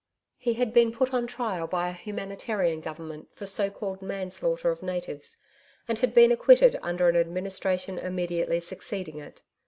He had been put on trial by a humanitarian Government for so called manslaughter of natives, and had been acquitted under an administration immediately succeeding it.